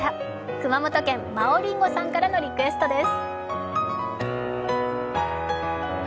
熊本県、まおりんごさんからのリクエストです。